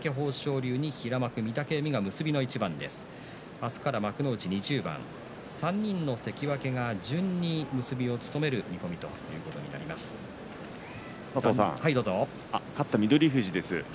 明日から幕内２０番３人の関脇が順に結びを務める見込み勝った翠富士です。